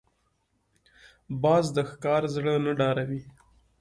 باز د ښکار زړه نه ډاروي